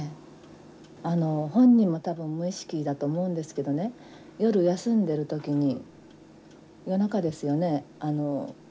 あの本人も多分無意識だと思うんですけどね夜休んでる時に夜中ですよね。